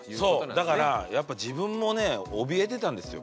そうだからやっぱ自分もねおびえてたんですよ。